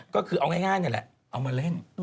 ก็คือเอาง่ายนี่แหละเอามาเล่น